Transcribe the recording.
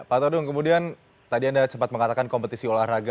pak todung kemudian tadi anda sempat mengatakan kompetisi olahraga